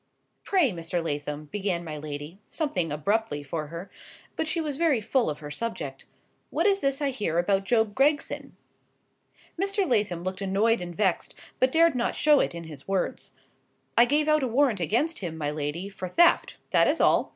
"Pray, Mr. Lathom," began my lady, something abruptly for her,—but she was very full of her subject,—"what is this I hear about Job Gregson?" Mr. Lathom looked annoyed and vexed, but dared not show it in his words. "I gave out a warrant against him, my lady, for theft,—that is all.